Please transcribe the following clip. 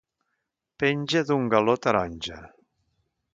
Penja d'un galó taronja.